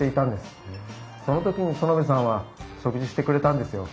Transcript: その時に薗部さんは食事してくれたんですよ。